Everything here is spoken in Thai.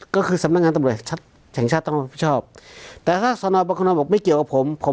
ก็คือสำนักงานตำรวจแห่งชาติต้องรับผิดชอบแต่ถ้าสนบังคนอบอกไม่เกี่ยวกับผมผม